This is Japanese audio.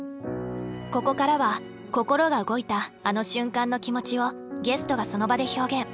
ここからは心が動いたあの瞬間の気持ちをゲストがその場で表現。